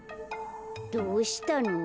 どうしたの？